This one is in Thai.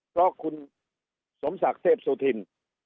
เพราะคุณสมศักดิ์เทพสุธิน